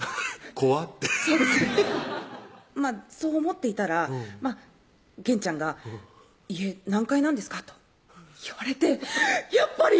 「怖」ってそう思っていたらげんちゃんが「家何階なんですか？」と言われてやっぱり！